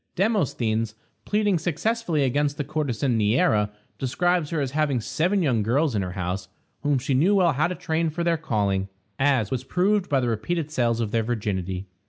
Demosthenes, pleading successfully against the courtesan Neæra, describes her as having seven young girls in her house, whom she knew well how to train for their calling, as was proved by the repeated sales of their virginity.